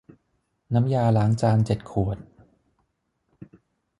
น้ำยาล้างจานเจ็ดขวด